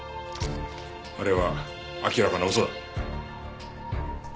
あれは明らかな嘘だ。